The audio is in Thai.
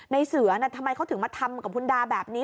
ในเสือทำไมเขาถึงมาทำกับคุณดาแบบนี้